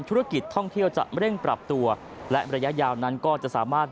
ธุรกิจท่องเที่ยวจะเร่งปรับตัวและระยะยาวนั้นก็จะสามารถ